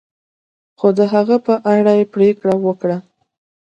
خو د هغه په اړه پریکړه وکړه.